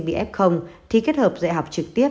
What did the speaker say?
bị ép không thì kết hợp dạy học trực tiếp